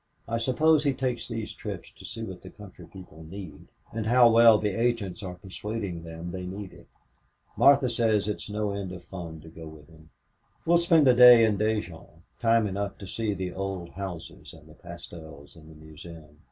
I suppose he takes these trips to see what the country people need and how well the agents are persuading them they need it. Martha says it's no end of fun to go with him. We'll spend a day in Dijon time enough to see the old houses and the pastels in the museum.